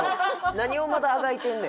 何をまだあがいてんねん。